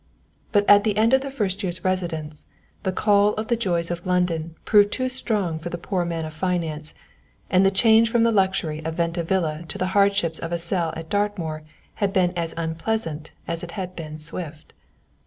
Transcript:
But at the end of his first year's residence the call of the joys of London proved too strong for the poor man of finance, and the change from the luxury of Venta Villa to the hardships of a cell at Dartmoor had been as unpleasant as it had been swift.